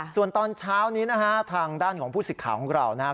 ส่วนตอนเช้านี้นะฮะทางด้านของผู้ศึกขาวของเรานะฮะ